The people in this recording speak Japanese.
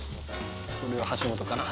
それは橋本かな？